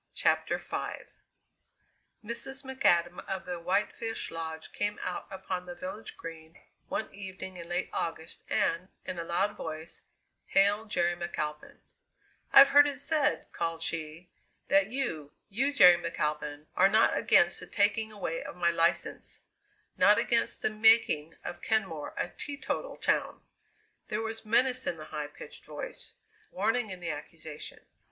CHAPTER V Mrs. McAdam of the White Fish Lodge came out upon the village Green one evening in late August and, in a loud voice, hailed Jerry McAlpin: "I've heard it said," called she, "that you, you Jerry McAlpin, are not against the taking away of my license; not against the making of Kenmore a teetotal town!" There was menace in the high pitched voice; warning in the accusation.